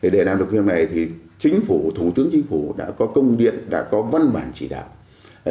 để làm được như thế này thì thủ tướng chính phủ đã có công điện đã có văn bản chỉ đạo